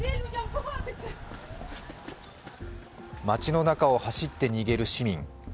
街の中を走って逃げる市民。